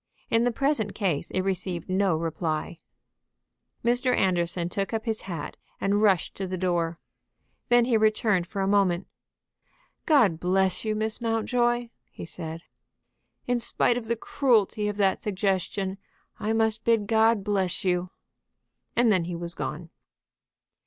In the present case it received no reply. Mr. Anderson took up his hat and rushed to the door. Then he returned for a moment. "God bless you, Miss Mountjoy!" he said. "In spite of the cruelty of that suggestion, I must bid God bless you." And then he was gone.